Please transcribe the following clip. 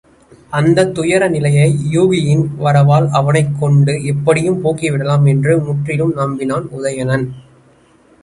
அந்தத் துயர நிலையை யூகியின் வரவால், அவனைக் கொண்டு எப்படியும் போக்கிவிடலாம் என்று முற்றிலும் நம்பினான் உதயணன்.